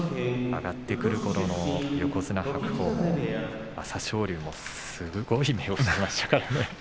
上がってくるころの横綱白鵬、朝青龍もすごい目をしていましたからね。